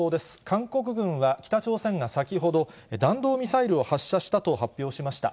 韓国軍は北朝鮮が先ほど、弾道ミサイルを発射したと発表しました。